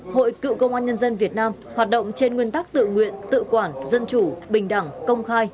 hội cựu công an nhân dân việt nam hoạt động trên nguyên tắc tự nguyện tự quản dân chủ bình đẳng công khai